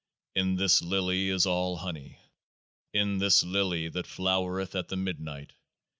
In this Lily is all honey, in this Lily that flowereth at the midnight.